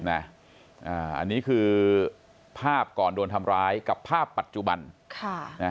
อันนี้คือภาพก่อนโดนทำร้ายกับภาพปัจจุบัน